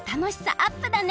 アップだね。